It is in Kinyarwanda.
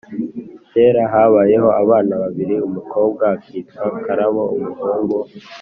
kera habayeho abana babiri, umukobwa akitwa karabo, umuhungu